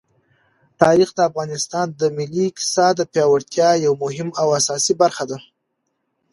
تاریخ د افغانستان د ملي اقتصاد د پیاوړتیا یوه مهمه او اساسي برخه ده.